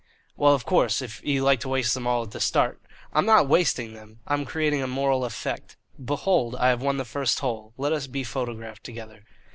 "Well, of course, if you like to waste them all at the start " "I'm not wasting them, I'm creating a moral effect. Behold, I have won the first hole; let us be photographed together."